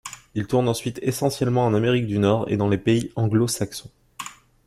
Il tourne ensuite essentiellement en Amérique du Nord et dans les pays anglo-saxons.